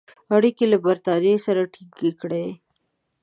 اړیکي له برټانیې سره تینګ کړي.